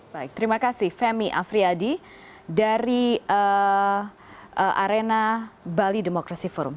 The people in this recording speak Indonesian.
baik terima kasih femi afriyadi dari arena bali demokrasi forum